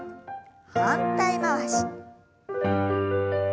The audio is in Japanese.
反対回し。